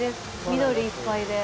緑いっぱいで。